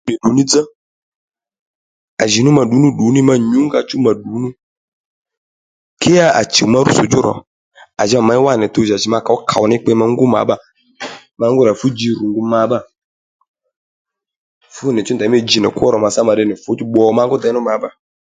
Ddǔddù ní dzá à jì nǔ ma ddǔ nú ddù ní dzá ka chùw ma ddù nú ke ya à chùw ma rútsò djú ro à jì ma měy wá nì tuw jì à jì ma kǒw kòw ní kpe ma ngú ma bbâ ma ngú rà fú ji rù nji ma bbâ fú nì chú ndèymí ji nì kwó ro màtsá ma tde nì fǔchú pbò ma ngú dey nú ma bbâ